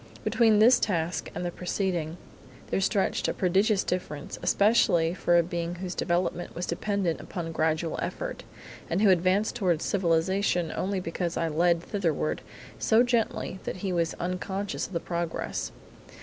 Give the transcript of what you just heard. Between this task and the preceding there stretched a prodigious difference, especially for a being whose development was dependent upon gradual effort, and who advanced toward civilisation only because I led thitherward so gently that he was unconscious of the progress.